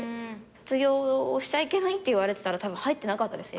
卒業しちゃいけないって言われてたらたぶん入ってなかったです。